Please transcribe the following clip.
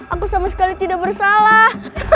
aku sama sekali tidak bersalah